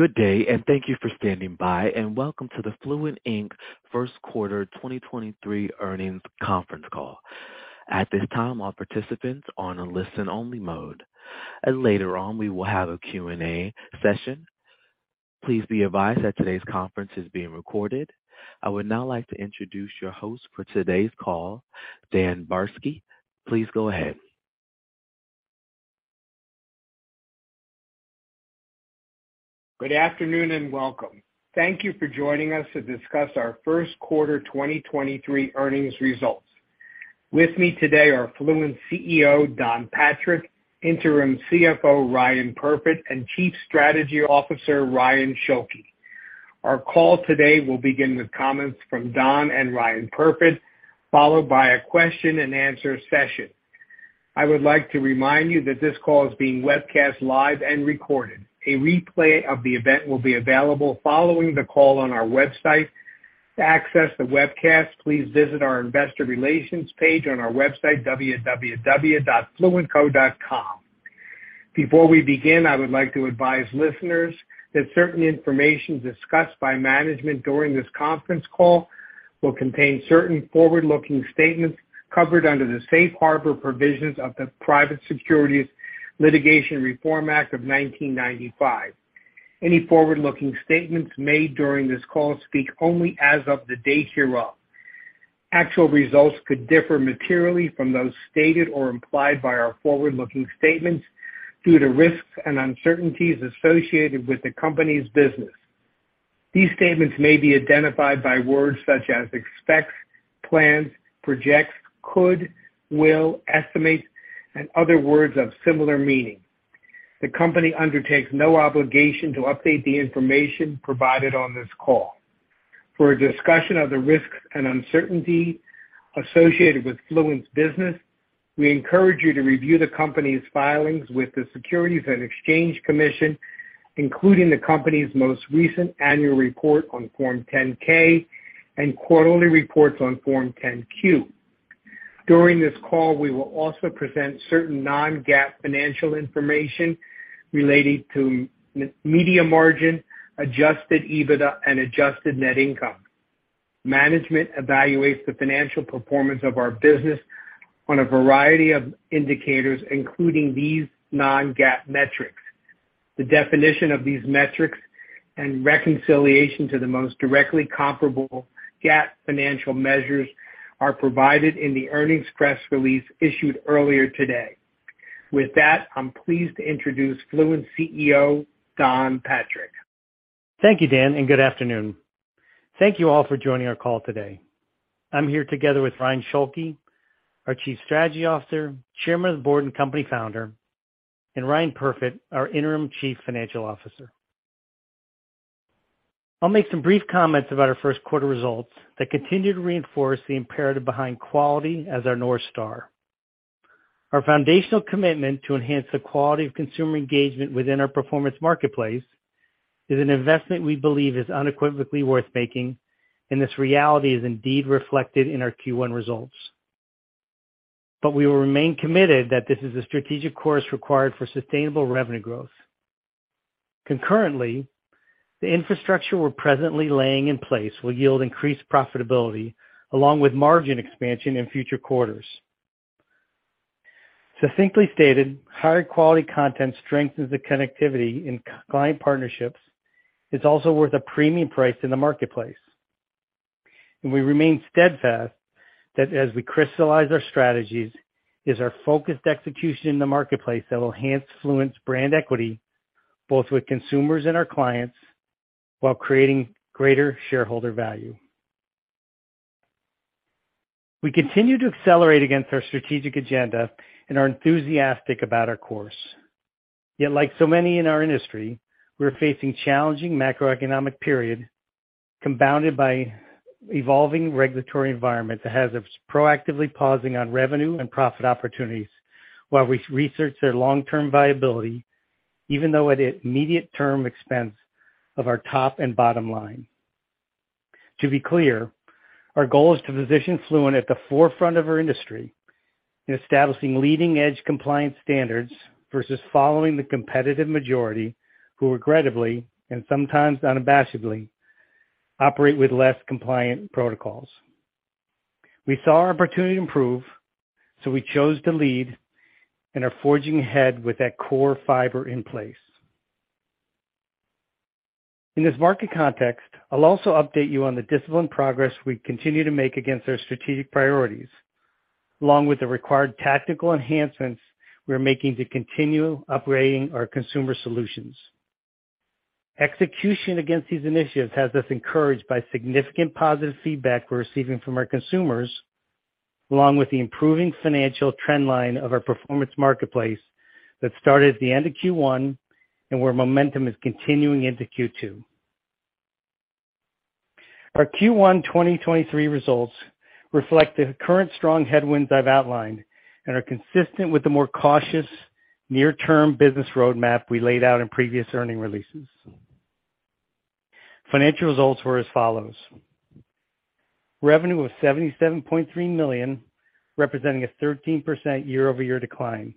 Good day. Thank you for standing by, and welcome to the Fluent Inc. first quarter 2023 earnings conference call. At this time, all participants are on a listen-only mode. Later on, we will have a Q&A session. Please be advised that today's conference is being recorded. I would now like to introduce your host for today's call, Dan Barsky. Please go ahead. Good afternoon, and welcome. Thank you for joining us to discuss our first quarter 2023 earnings results. With me today are Fluent CEO, Don Patrick, Interim CFO, Ryan Perfit, and Chief Strategy Officer, Ryan Schulke. Our call today will begin with comments from Don and Ryan Perfit, followed by a question-and-answer session. I would like to remind you that this call is being webcast live and recorded. A replay of the event will be available following the call on our website. To access the webcast, please visit our investor relations page on our website, www.fluentco.com. Before we begin, I would like to advise listeners that certain information discussed by management during this conference call will contain certain forward-looking statements covered under the Safe Harbor provisions of the Private Securities Litigation Reform Act of 1995. Any forward-looking statements made during this call speak only as of the date hereof. Actual results could differ materially from those stated or implied by our forward-looking statements due to risks and uncertainties associated with the company's business. These statements may be identified by words such as expects, plans, projects, could, will, estimates, and other words of similar meaning. The company undertakes no obligation to update the information provided on this call. For a discussion of the risks and uncertainty associated with Fluent's business, we encourage you to review the company's filings with the Securities and Exchange Commission, including the company's most recent annual report on Form 10-K and quarterly reports on Form 10-Q. During this call, we will also present certain non-GAAP financial information related to media margin, adjusted EBITDA, and adjusted net income. Management evaluates the financial performance of our business on a variety of indicators, including these non-GAAP metrics. The definition of these metrics and reconciliation to the most directly comparable GAAP financial measures are provided in the earnings press release issued earlier today. With that, I'm pleased to introduce Fluent CEO, Don Patrick. Thank you, Dan. Good afternoon. Thank you all for joining our call today. I'm here together with Ryan Schulke, our chief strategy officer, chairman of the board, and company founder, and Ryan Perfit, our interim chief financial officer. I'll make some brief comments about our first quarter results that continue to reinforce the imperative behind quality as our North Star. Our foundational commitment to enhance the quality of consumer engagement within our performance marketplace is an investment we believe is unequivocally worth making, and this reality is indeed reflected in our Q1 results. We will remain committed that this is a strategic course required for sustainable revenue growth. Concurrently, the infrastructure we're presently laying in place will yield increased profitability along with margin expansion in future quarters. Succinctly stated, higher quality content strengthens the connectivity in c-client partnerships. It's also worth a premium price in the marketplace. We remain steadfast that as we crystallize our strategies is our focused execution in the marketplace that will enhance Fluent's brand equity, both with consumers and our clients, while creating greater shareholder value. We continue to accelerate against our strategic agenda and are enthusiastic about our course. Like so many in our industry, we're facing challenging macroeconomic period compounded by evolving regulatory environment that has us proactively pausing on revenue and profit opportunities while we research their long-term viability, even though at immediate term expense of our top and bottom line. To be clear, our goal is to position Fluent at the forefront of our industry in establishing leading-edge compliance standards versus following the competitive majority who regrettably and sometimes unabashedly operate with less compliant protocols. We saw our opportunity improve, so we chose to lead and are forging ahead with that core fiber in place. In this market context, I'll also update you on the disciplined progress we continue to make against our strategic priorities, along with the required tactical enhancements we're making to continue upgrading our consumer solutions. Execution against these initiatives has us encouraged by significant positive feedback we're receiving from our consumers, along with the improving financial trend line of our performance marketplace that started at the end of Q1 and where momentum is continuing into Q2. Our Q1 2023 results reflect the current strong headwinds I've outlined and are consistent with the more cautious near-term business roadmap we laid out in previous earnings releases. Financial results were as follows. Revenue was $77.3 million, representing a 13% year-over-year decline.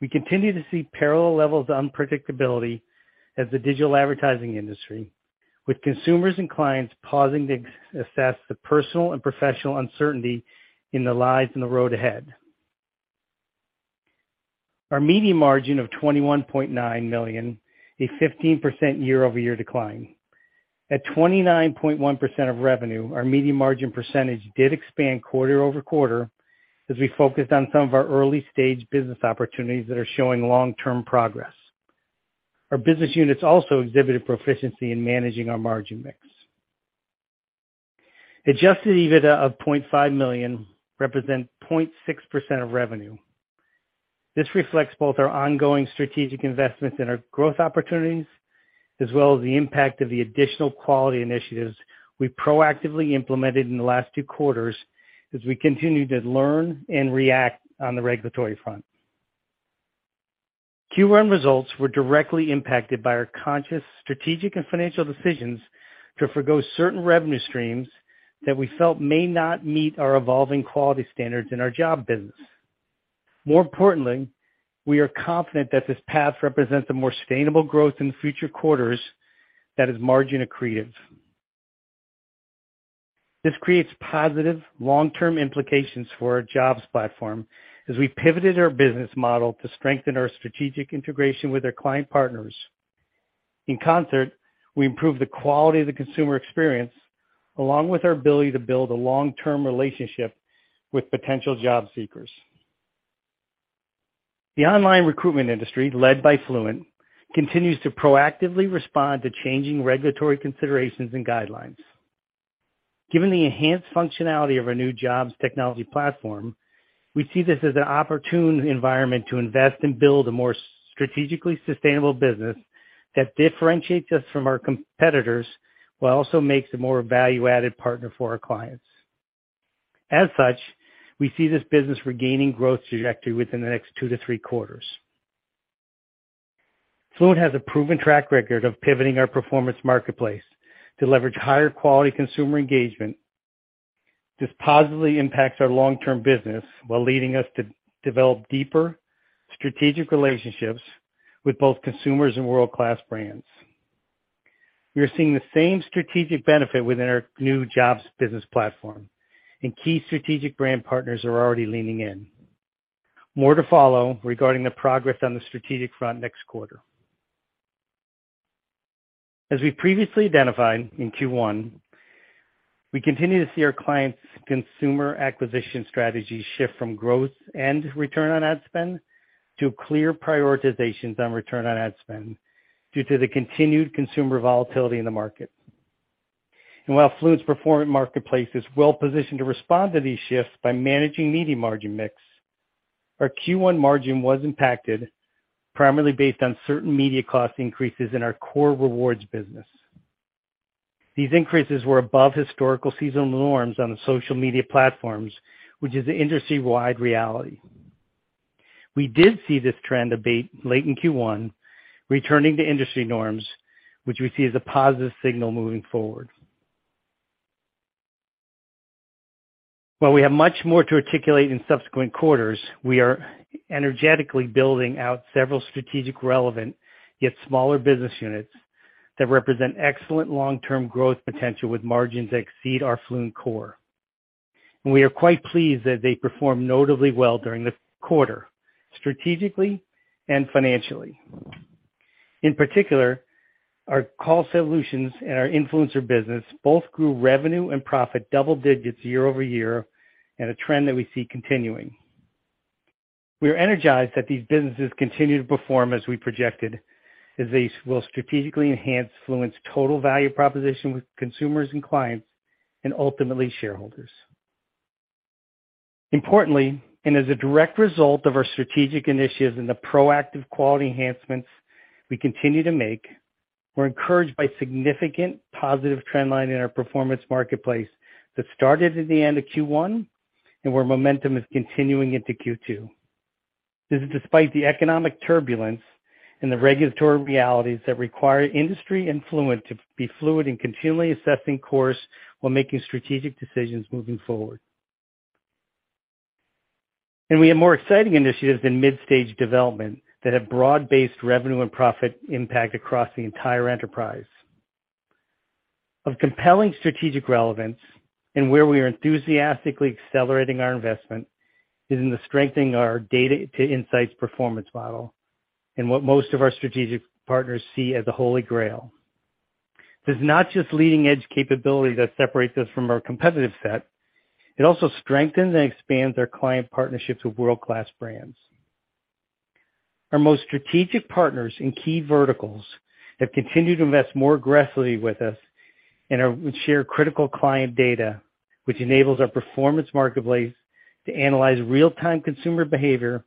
We continue to see parallel levels of unpredictability as the digital advertising industry, with consumers and clients pausing to assess the personal and professional uncertainty in their lives and the road ahead. Our media margin of $21.9 million, a 15% year-over-year decline. At 29.1% of revenue, our media margin percentage did expand quarter-over-quarter as we focused on some of our early-stage business opportunities that are showing long-term progress. Our business units also exhibited proficiency in managing our margin mix. Adjusted EBITDA of $0.5 million represent 0.6% of revenue. This reflects both our ongoing strategic investments in our growth opportunities, as well as the impact of the additional quality initiatives we proactively implemented in the last two quarters as we continue to learn and react on the regulatory front. Q1 results were directly impacted by our conscious, strategic, and financial decisions to forgo certain revenue streams that we felt may not meet our evolving quality standards in our job business. More importantly, we are confident that this path represents a more sustainable growth in future quarters that is margin accretive. This creates positive long-term implications for our jobs platform as we pivoted our business model to strengthen our strategic integration with our client partners. In concert, we improved the quality of the consumer experience along with our ability to build a long-term relationship with potential job seekers. The online recruitment industry, led by Fluent, continues to proactively respond to changing regulatory considerations and guidelines. Given the enhanced functionality of our new jobs technology platform, we see this as an opportune environment to invest and build a more strategically sustainable business that differentiates us from our competitors while also makes a more value-added partner for our clients. We see this business regaining growth trajectory within the next two to three quarters. Fluent has a proven track record of pivoting our performance marketplace to leverage higher quality consumer engagement. This positively impacts our long-term business while leading us to develop deeper strategic relationships with both consumers and world-class brands. We are seeing the same strategic benefit within our new jobs business platform, key strategic brand partners are already leaning in. More to follow regarding the progress on the strategic front next quarter. As we previously identified in Q1, we continue to see our clients' consumer acquisition strategies shift from growth and Return on Ad Spend to clear prioritizations on Return on Ad Spend due to the continued consumer volatility in the market. While Fluent's performance marketplace is well-positioned to respond to these shifts by managing media margin mix, our Q1 margin was impacted primarily based on certain media cost increases in our core rewards business. These increases were above historical seasonal norms on the social media platforms, which is an industry-wide reality. We did see this trend abate late in Q1, returning to industry norms, which we see as a positive signal moving forward. While we have much more to articulate in subsequent quarters, we are energetically building out several strategic relevant, yet smaller business units that represent excellent long-term growth potential with margins that exceed our Fluent core. We are quite pleased that they performed notably well during the quarter, strategically and financially. In particular, our Call Solutions and our influencer business both grew revenue and profit double digits year-over-year in a trend that we see continuing. We are energized that these businesses continue to perform as we projected as they will strategically enhance Fluent's total value proposition with consumers and clients and ultimately shareholders. Importantly, and as a direct result of our strategic initiatives and the proactive quality enhancements we continue to make, we're encouraged by significant positive trend line in our performance marketplace that started at the end of Q1 and where momentum is continuing into Q2. This is despite the economic turbulence and the regulatory realities that require industry and Fluent to be fluid in continually assessing course while making strategic decisions moving forward. We have more exciting initiatives in mid-stage development that have broad-based revenue and profit impact across the entire enterprise. Of compelling strategic relevance and where we are enthusiastically accelerating our investment is in the strengthening our data to insights performance model and what most of our strategic partners see as the Holy Grail. This is not just leading edge capability that separates us from our competitive set, it also strengthens and expands our client partnerships with world-class brands. Our most strategic partners in key verticals have continued to invest more aggressively with us and would share critical client data, which enables our performance marketplace to analyze real-time consumer behavior,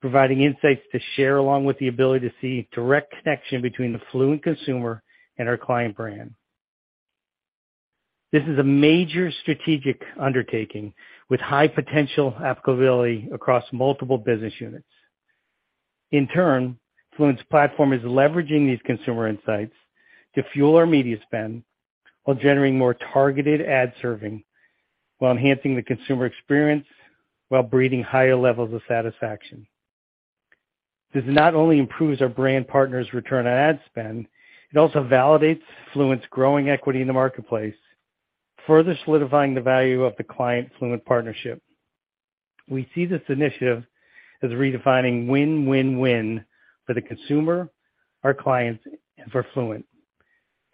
providing insights to share along with the ability to see direct connection between the Fluent consumer and our client brand. This is a major strategic undertaking with high potential applicability across multiple business units. In turn, Fluent's platform is leveraging these consumer insights to fuel our media spend while generating more targeted ad serving, while enhancing the consumer experience, while breeding higher levels of satisfaction. This not only improves our brand partners' Return on Ad Spend, it also validates Fluent's growing equity in the marketplace, further solidifying the value of the client-Fluent partnership. We see this initiative as redefining win-win-win for the consumer, our clients, and for Fluent,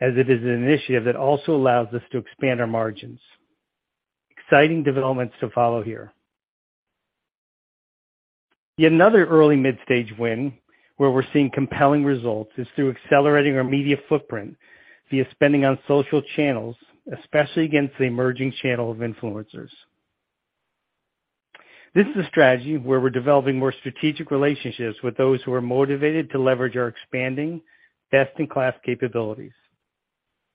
as it is an initiative that also allows us to expand our margins. Exciting developments to follow here. Yet another early mid-stage win where we're seeing compelling results is through accelerating our media footprint via spending on social channels, especially against the emerging channel of influencers. This is a strategy where we're developing more strategic relationships with those who are motivated to leverage our expanding best-in-class capabilities.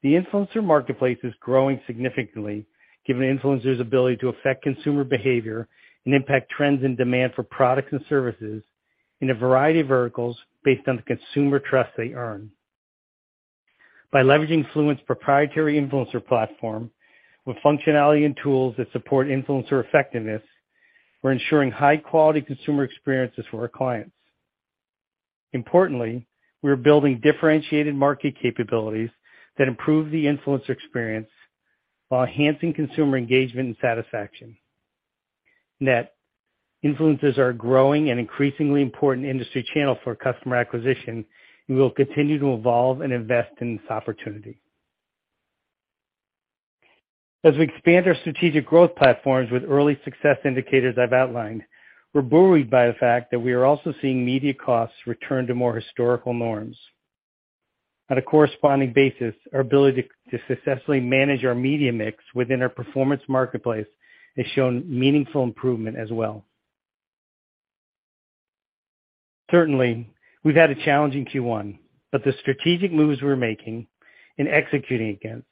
The influencer marketplace is growing significantly given influencers' ability to affect consumer behavior and impact trends and demand for products and services in a variety of verticals based on the consumer trust they earn. By leveraging Fluent's proprietary influencer platform with functionality and tools that support influencer effectiveness, we're ensuring high-quality consumer experiences for our clients. Importantly, we're building differentiated market capabilities that improve the influencer experience while enhancing consumer engagement and satisfaction. Net influencers are a growing and increasingly important industry channel for customer acquisition, and we will continue to evolve and invest in this opportunity. As we expand our strategic growth platforms with early success indicators I've outlined, we're buoyed by the fact that we are also seeing media costs return to more historical norms. On a corresponding basis, our ability to successfully manage our media mix within our performance marketplace has shown meaningful improvement as well. Certainly, we've had a challenging Q1, but the strategic moves we're making and executing against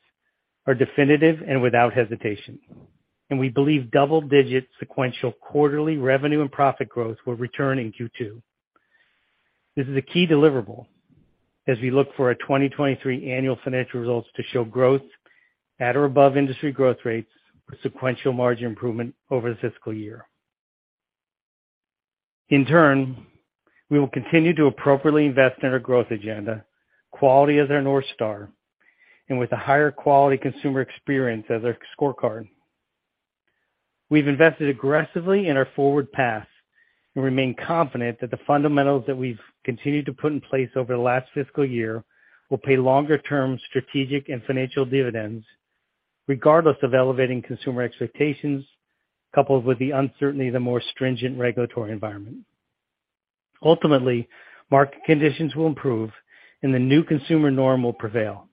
are definitive and without hesitation, and we believe double-digit sequential quarterly revenue and profit growth will return in Q2. This is a key deliverable as we look for our 2023 annual financial results to show growth at or above industry growth rates with sequential margin improvement over the fiscal year. In turn, we will continue to appropriately invest in our growth agenda, quality as our North Star, and with a higher quality consumer experience as our scorecard. We've invested aggressively in our forward path and remain confident that the fundamentals that we've continued to put in place over the last fiscal year will pay longer-term strategic and financial dividends regardless of elevating consumer expectations, coupled with the uncertainty of the more stringent regulatory environment. Ultimately, market conditions will improve, and the new consumer norm will prevail.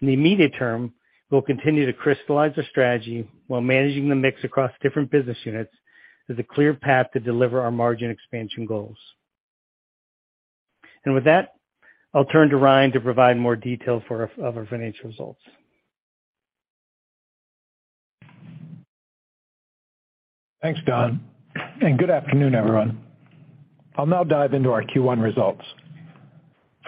In the immediate term, we'll continue to crystallize our strategy while managing the mix across different business units as a clear path to deliver our margin expansion goals. With that, I'll turn to Ryan to provide more detail of our financial results. Thanks, Don, and good afternoon, everyone. I'll now dive into our Q1 results.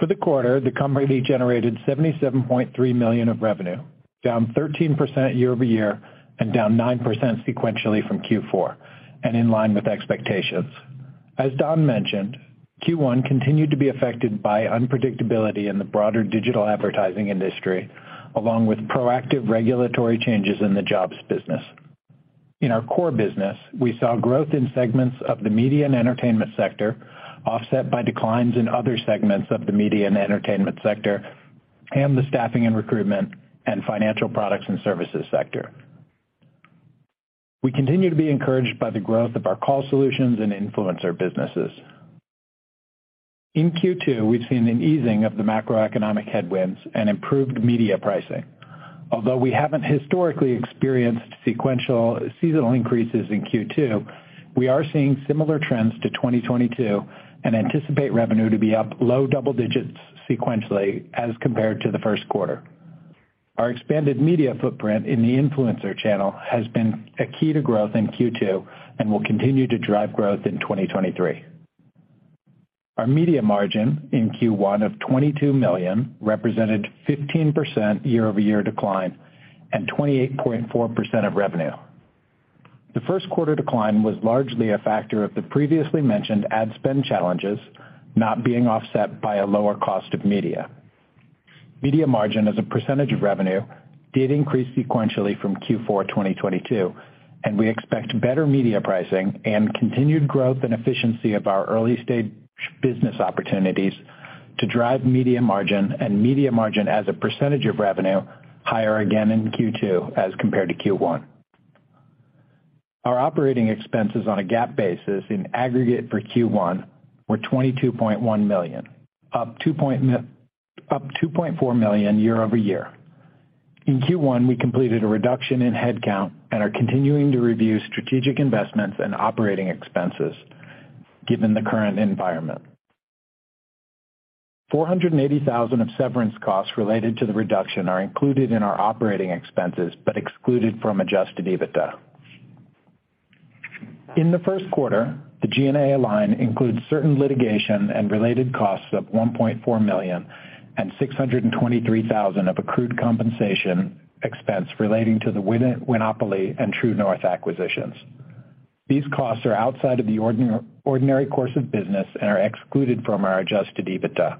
For the quarter, the company generated $77.3 million of revenue, down 13% year-over-year and down 9% sequentially from Q4, and in line with expectations. As Don mentioned, Q1 continued to be affected by unpredictability in the broader digital advertising industry, along with proactive regulatory changes in the jobs business. In our core business, we saw growth in segments of the media and entertainment sector offset by declines in other segments of the media and entertainment sector and the staffing and recruitment and financial products and services sector. We continue to be encouraged by the growth of our Call Solutions and influencer businesses. In Q2, we've seen an easing of the macroeconomic headwinds and improved media pricing. Although we haven't historically experienced sequential seasonal increases in Q2, we are seeing similar trends to 2022 and anticipate revenue to be up low double digits sequentially as compared to the first quarter. Our expanded media footprint in the influencer channel has been a key to growth in Q2 and will continue to drive growth in 2023. Our media margin in Q1 of $22 million represented 15% year-over-year decline and 28.4% of revenue. The first quarter decline was largely a factor of the previously mentioned ad spend challenges not being offset by a lower cost of media. Media margin as a percentage of revenue did increase sequentially from Q4 2022, and we expect better media pricing and continued growth and efficiency of our early-stage business opportunities to drive media margin and media margin as a percentage of revenue higher again in Q2 as compared to Q1. Our operating expenses on a GAAP basis in aggregate for Q1 were $22.1 million, up $2.4 million year-over-year. In Q1, we completed a reduction in headcount and are continuing to review strategic investments and operating expenses given the current environment. $480,000 of severance costs related to the reduction are included in our operating expenses, but excluded from adjusted EBITDA. In the first quarter, the G&A includes certain litigation and related costs of $1.4 million and $623,000 of accrued compensation expense relating to the Winopoly and True North acquisitions. These costs are outside of the ordinary course of business and are excluded from our adjusted EBITDA.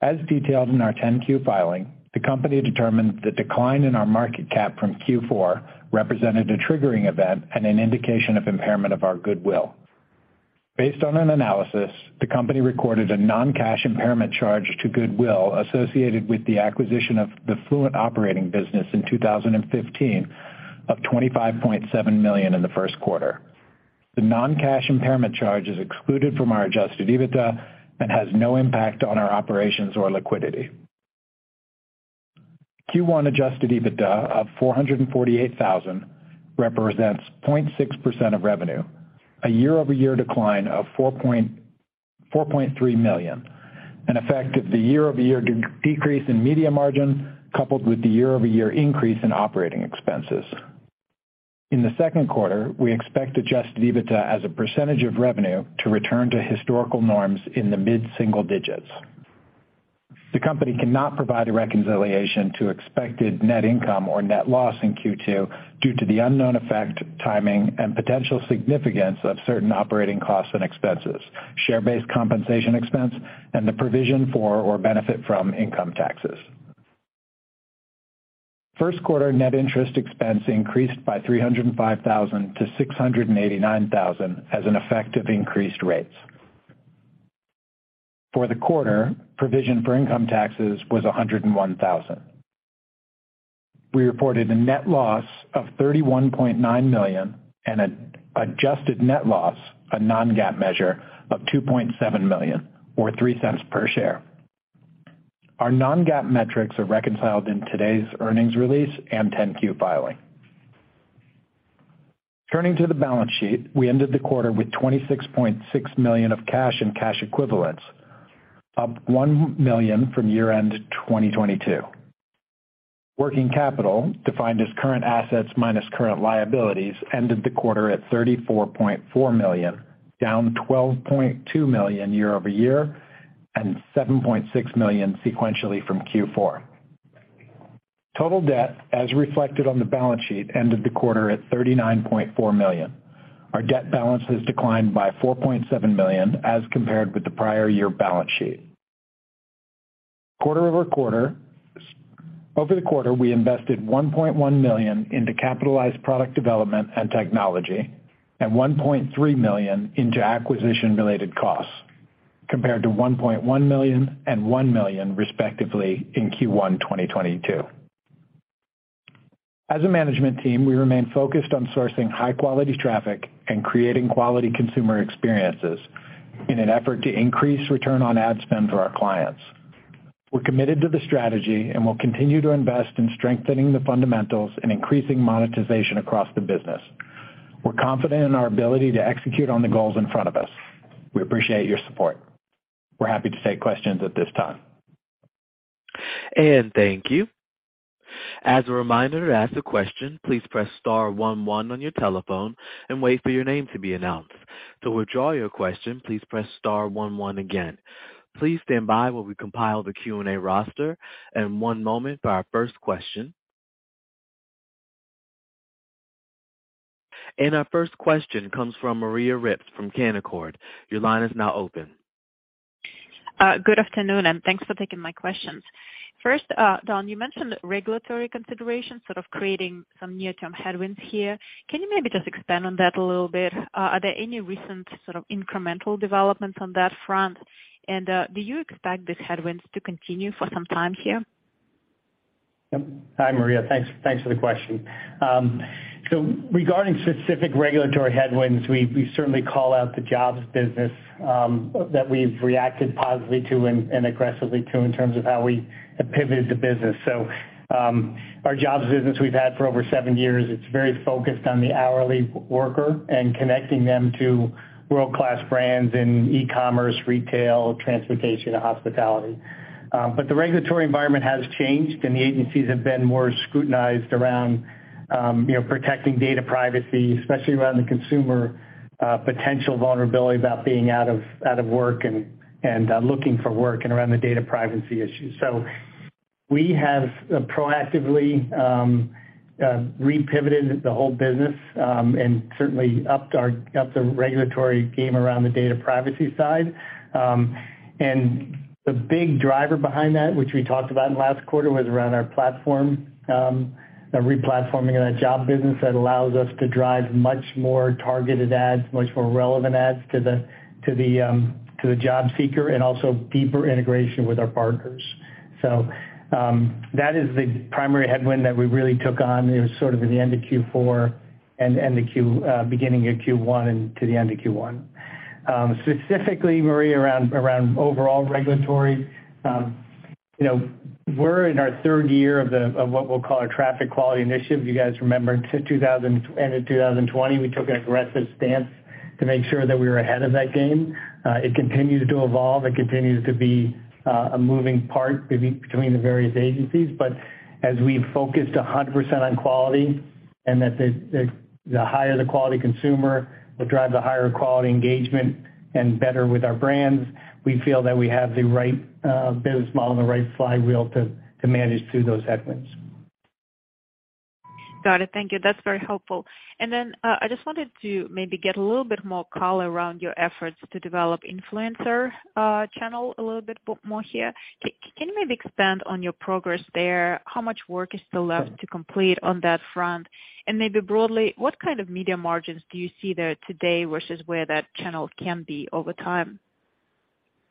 As detailed in our 10-Q filing, the company determined the decline in our market cap from Q4 represented a triggering event and an indication of impairment of our goodwill. Based on an analysis, the company recorded a non-cash impairment charge to goodwill associated with the acquisition of the Fluent operating business in 2015 of $25.7 million in the first quarter. The non-cash impairment charge is excluded from our adjusted EBITDA and has no impact on our operations or liquidity. Q1 adjusted EBITDA of $448,000 represents 0.6% of revenue, a year-over-year decline of $4.3 million, an effect of the year-over-year decrease in media margin, coupled with the year-over-year increase in operating expenses. In the second quarter, we expect adjusted EBITDA as a percentage of revenue to return to historical norms in the mid-single digits. The company cannot provide a reconciliation to expected net income or net loss in Q2 due to the unknown effect, timing, and potential significance of certain operating costs and expenses, share-based compensation expense, and the provision for or benefit from income taxes. First quarter net interest expense increased by $305,000 to $689,000 as an effect of increased rates. For the quarter, provision for income taxes was $101,000. We reported a net loss of $31.9 million and an adjusted net loss, a non-GAAP measure, of $2.7 million or $0.03 per share. Our non-GAAP metrics are reconciled in today's earnings release and 10-Q filing. Turning to the balance sheet, we ended the quarter with $26.6 million of cash and cash equivalents, up $1 million from year-end 2022. Working capital, defined as current assets minus current liabilities, ended the quarter at $34.4 million, down $12.2 million year-over-year and $7.6 million sequentially from Q4. Total debt, as reflected on the balance sheet, ended the quarter at $39.4 million. Our debt balance has declined by $4.7 million as compared with the prior year balance sheet. Over the quarter, we invested $1.1 million into capitalized product development and technology and $1.3 million into acquisition-related costs, compared to $1.1 million and $1 million, respectively, in Q1 2022. As a management team, we remain focused on sourcing high-quality traffic and creating quality consumer experiences in an effort to increase Return on Ad Spend for our clients. We're committed to the strategy, and we'll continue to invest in strengthening the fundamentals and increasing monetization across the business. We're confident in our ability to execute on the goals in front of us. We appreciate your support. We're happy to take questions at this time. Thank you. As a reminder, to ask a question, please press star one one on your telephone and wait for your name to be announced. To withdraw your question, please press star one one again. Please stand by while we compile the Q&A roster, and one moment for our first question. Our first question comes from Maria Ripps from Canaccord. Your line is now open. Good afternoon, and thanks for taking my questions. First, Don, you mentioned regulatory considerations sort of creating some near-term headwinds here. Can you maybe just expand on that a little bit? Are there any recent sort of incremental developments on that front? Do you expect these headwinds to continue for some time here? Yep. Hi, Maria. Thanks, thanks for the question. Regarding specific regulatory headwinds, we certainly call out the jobs business that we've reacted positively to and aggressively to in terms of how we have pivoted the business. Our jobs business we've had for over seven years. It's very focused on the hourly worker and connecting them to world-class brands in e-commerce, retail, transportation, and hospitality. The regulatory environment has changed, and the agencies have been more scrutinized around, you know, protecting data privacy, especially around the consumer potential vulnerability about being out of work and looking for work and around the data privacy issue. We have proactively re-pivoted the whole business and certainly upped the regulatory game around the data privacy side. The big driver behind that, which we talked about in last quarter, was around our platform, a re-platforming of that job business that allows us to drive much more targeted ads, much more relevant ads to the job seeker and also deeper integration with our partners. That is the primary headwind that we really took on. It was sort of in the end of Q4 and the beginning of Q1 and to the end of Q1. Specifically, Maria, around overall regulatory. You know, we're in our third year of what we'll call our traffic quality initiative. You guys remember in end of 2020, we took an aggressive stance to make sure that we were ahead of that game. It continues to evolve. It continues to be a moving part between the various agencies. As we've focused 100% on quality and that the higher the quality consumer will drive the higher quality engagement and better with our brands, we feel that we have the right business model and the right flywheel to manage through those headwinds. Got it. Thank you. That's very helpful. I just wanted to maybe get a little bit more color around your efforts to develop influencer, channel a little bit more here. Can you maybe expand on your progress there? How much work is still left to complete on that front? Broadly, what kind of media margins do you see there today versus where that channel can be over time?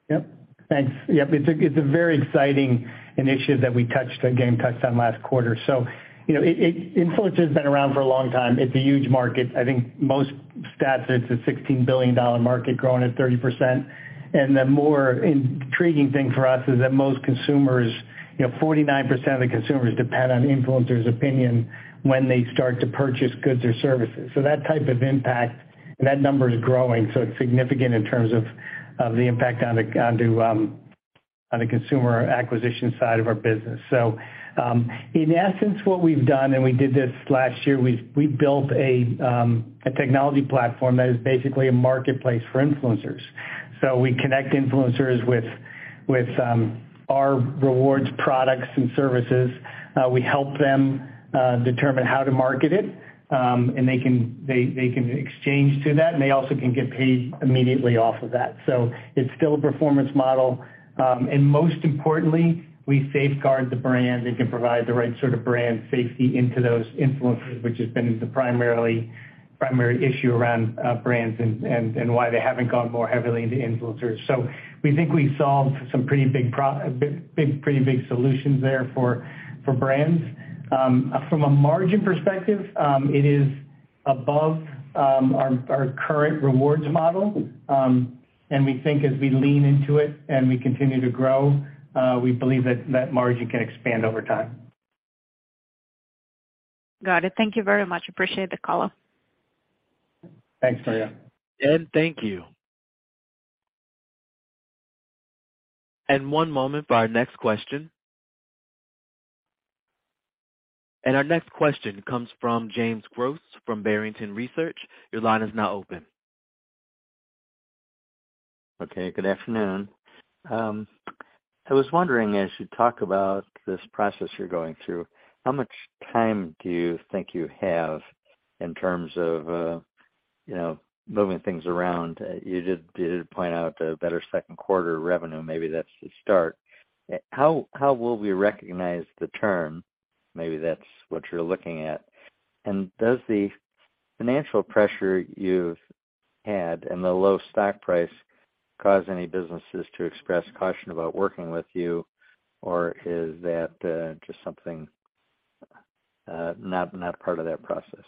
Yep. Thanks. Yep, it's a very exciting initiative that we again, touched on last quarter. you know, influencer has been around for a long time. It's a huge market. I think most stats, it's a $16 billion market growing at 30%. The more intriguing thing for us is that most consumers, you know, 49% of the consumers depend on influencers opinion when they start to purchase goods or services. That type of impact and that number is growing, so it's significant in terms of the impact on the consumer acquisition side of our business. In essence, what we've done, and we did this last year, we built a technology platform that is basically a marketplace for influencers. We connect influencers with our rewards products and services. We help them determine how to market it, they can exchange to that, and they also can get paid immediately off of that. It's still a performance model. Most importantly, we safeguard the brand and can provide the right sort of brand safety into those influencers, which has been the primary issue around brands and why they haven't gone more heavily into influencers. We think we solved some pretty big solutions there for brands. From a margin perspective, it is above our current rewards model. We think as we lean into it and we continue to grow, we believe that that margin can expand over time. Got it. Thank you very much. Appreciate the color. Thanks, Maria. Thank you. One moment for our next question. Our next question comes from James Goss from Barrington Research. Your line is now open. Okay, good afternoon. I was wondering, as you talk about this process you're going through, how much time do you think you have in terms of, you know, moving things around? You did point out the better second quarter revenue, maybe that's the start. How will we recognize the term? Maybe that's what you're looking at. Does the financial pressure you've had and the low stock price cause any businesses to express caution about working with you? Is that just something not part of that process?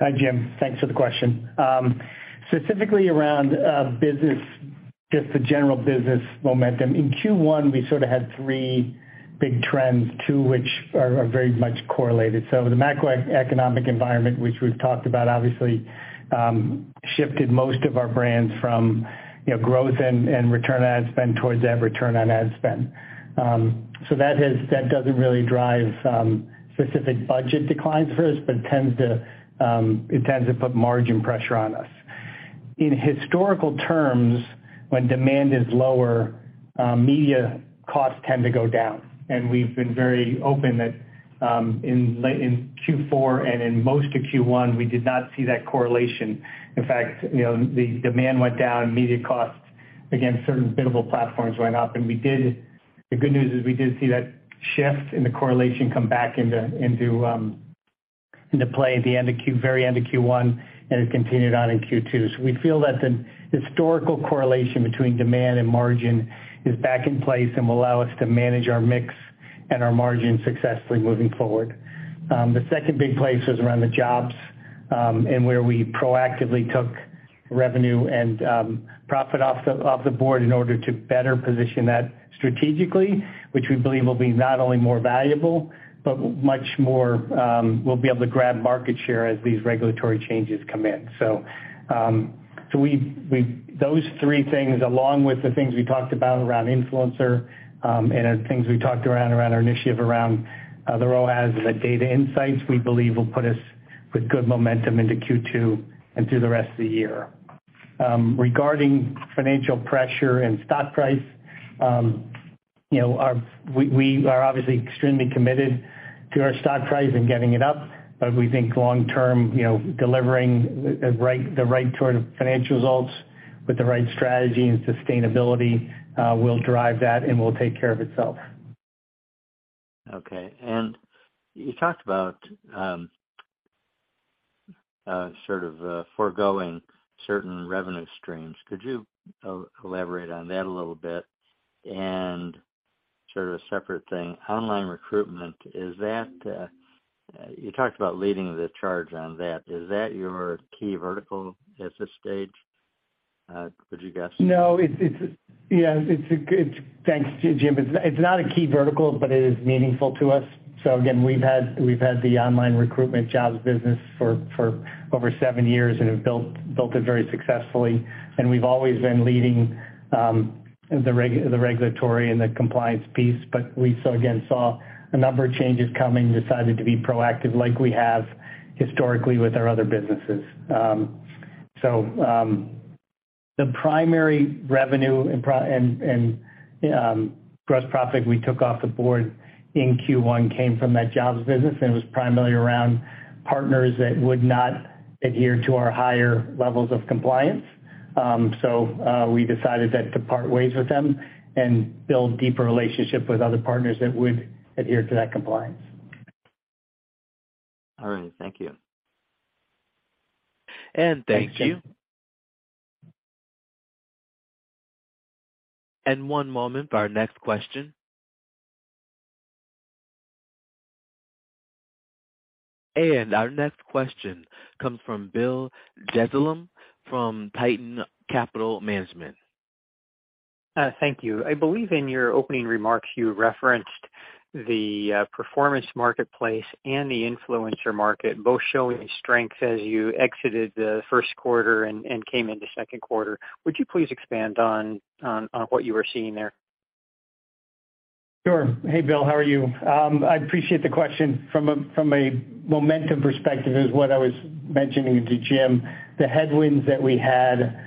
Hi, Jim. Thanks for the question. Specifically around just the general business momentum. In Q1, we sort of had 3 big trends, two which are very much correlated. The macroeconomic environment, which we've talked about, obviously, shifted most of our brands from, you know, growth and Return on Ad Spend towards that Return on Ad Spend. That doesn't really drive specific budget declines for us, but tends to, it tends to put margin pressure on us. In historical terms, when demand is lower, media costs tend to go down. We've been very open that in Q4 and in most of Q1, we did not see that correlation. In fact, you know, the demand went down, media costs against certain billable platforms went up. We did. The good news is we did see that shift in the correlation come back into play at the very end of Q1, and it continued on in Q2. We feel that the historical correlation between demand and margin is back in place and will allow us to manage our mix and our margin successfully moving forward. The second big place was around the jobs, and where we proactively took revenue and profit off the board in order to better position that strategically, which we believe will be not only more valuable, but much more, we'll be able to grab market share as these regulatory changes come in. We those three things, along with the things we talked about around influencer, and the things we talked around our initiative around the ROAS, the data insights, we believe will put us with good momentum into Q2 and through the rest of the year. Regarding financial pressure and stock price, you know, we are obviously extremely committed to our stock price and getting it up, but we think long term, you know, delivering the right sort of financial results with the right strategy and sustainability, will drive that and will take care of itself. Okay. You talked about sort of foregoing certain revenue streams. Could you elaborate on that a little bit? Sort of a separate thing. Online recruitment. You talked about leading the charge on that. Is that your key vertical at this stage, would you guess? No. Thanks, Jim. It's not a key vertical, but it is meaningful to us. Again, we've had the online recruitment jobs business for over 7 years and have built it very successfully. We've always been leading the regulatory and the compliance piece. We so again saw a number of changes coming, decided to be proactive like we have historically with our other businesses. The primary revenue and gross profit we took off the board in Q1 came from that jobs business, and it was primarily around partners that would not adhere to our higher levels of compliance. We decided that to part ways with them and build deeper relationship with other partners that would adhere to that compliance. All right. Thank you. Thank you. Thanks, Jim. One moment for our next question. Our next question comes from Bill Dezellem from Tieton Capital Management. Thank you. I believe in your opening remarks you referenced the performance marketplace and the influencer market both showing strength as you exited the first quarter and came into second quarter. Would you please expand on what you were seeing there? Sure. Hey, Bill. How are you? I appreciate the question. From a momentum perspective, it was what I was mentioning to Jim, the headwinds that we had,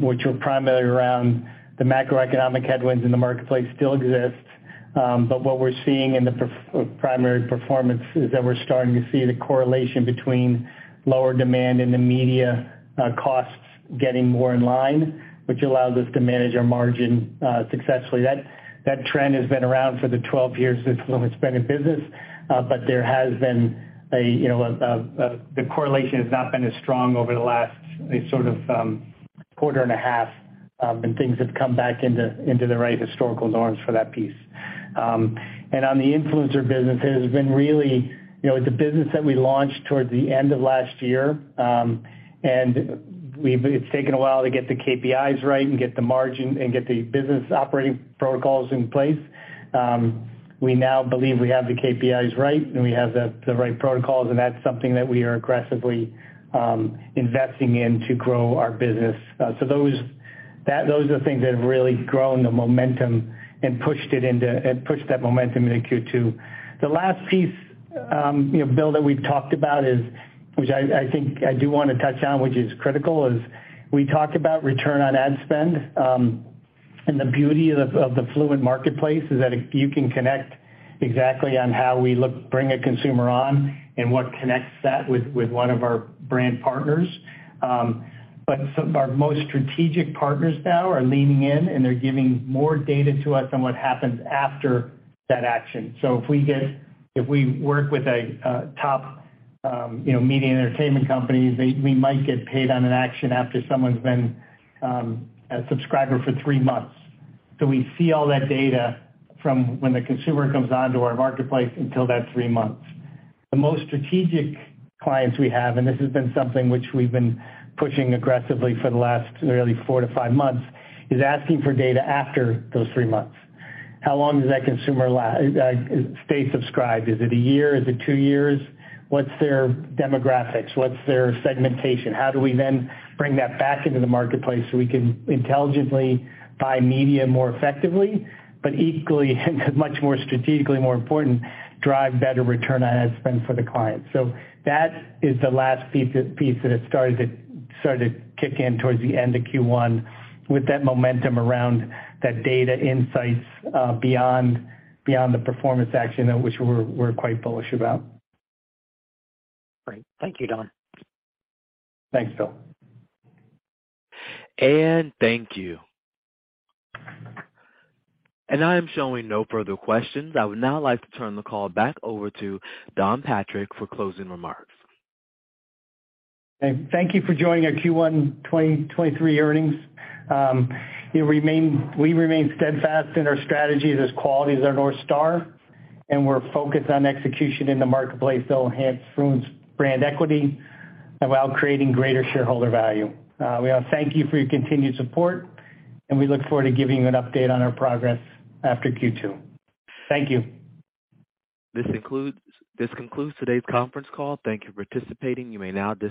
which were primarily around the macroeconomic headwinds in the marketplace still exists. What we're seeing in the primary performance is that we're starting to see the correlation between lower demand and the media costs getting more in line, which allows us to manage our margin successfully. That trend has been around for the 12 years since Fluent's been in business, but there has been a, you know, The correlation has not been as strong over the last sort of quarter and a half, and things have come back into the right historical norms for that piece. On the influencer business, it has been really, you know, it's a business that we launched towards the end of last year. It's taken a while to get the KPIs right and get the margin and get the business operating protocols in place. We now believe we have the KPIs right and we have the right protocols, and that's something that we are aggressively investing in to grow our business. Those are things that have really grown the momentum and pushed that momentum into Q2. The last piece, you know, Bill, that we've talked about is, which I think I do wanna touch on, which is critical, is we talked about Return on Ad Spend. The beauty of the Fluent marketplace is that you can connect exactly on how we look to bring a consumer on and what connects that with one of our brand partners. Our most strategic partners now are leaning in, and they're giving more data to us on what happens after that action. If we work with a top, you know, media and entertainment company, they, we might get paid on an action after someone's been a subscriber for 3 months. We see all that data from when the consumer comes onto our marketplace until that 3 months. The most strategic clients we have, and this has been something which we've been pushing aggressively for the last really 4 to 5 months, is asking for data after those 3 months. How long does that consumer la-- stay subscribed? Is it a year? Is it two years? What's their demographics? What's their segmentation? How do we then bring that back into the marketplace, so we can intelligently buy media more effectively, but equally and much more strategically more important, drive better Return on Ad Spend for the client? That is the last piece that has started to kick in towards the end of Q1 with that momentum around the data insights, beyond the performance action which we're quite bullish about. Great. Thank you, Don. Thanks, Bill. Thank you. I am showing no further questions. I would now like to turn the call back over to Don Patrick for closing remarks. Thank you for joining our Q1 2023 earnings. We remain steadfast in our strategies as quality is our North Star, and we're focused on execution in the marketplace that will enhance Fluent's brand equity and while creating greater shareholder value. We all thank you for your continued support, and we look forward to giving you an update on our progress after Q2. Thank you. This concludes today's conference call. Thank you for participating. You may now dis-